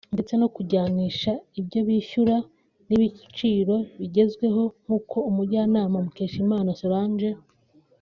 ndetse no kujyanisha ibyo bishyura n’ibiciro bigezweho; nk’uko umujyanama Mukeshimana Solange